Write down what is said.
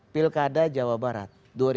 pilkada jawa barat dua ribu delapan belas